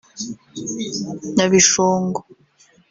Nyabishongo